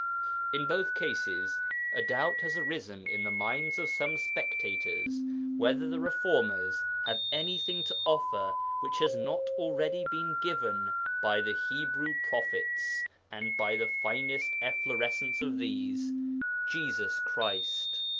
In both cases a doubt has arisen in the minds of some spectators whether the reformers have anything to offer which has not already been given by the Hebrew prophets and by the finest efflorescence of these Jesus Christ.